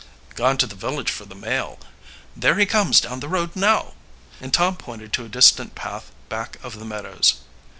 "Gone to the village for the mail. There he comes down the road now," and Tom pointed to a distant path back of the meadows.